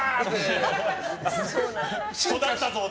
育ったぞって。